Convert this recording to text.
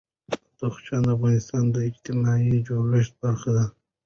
بدخشان د افغانستان د اجتماعي جوړښت برخه ده.